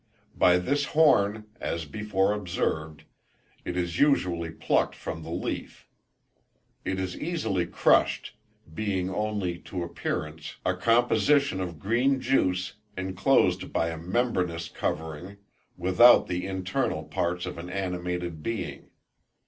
By this horn, as before observed, it is usually plucked from the leaf. It is easily crushed, being only, to appearance, a composition of green juice inclosed by a membranous covering, without the internal parts of an animated being.